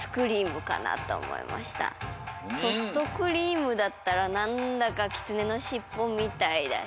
ソフトクリームだったらなんだかきつねのしっぽみたいだし。